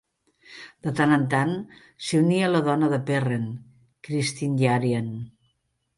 De tant en tant, s'hi unia la dona de Perren, Christine Yarian.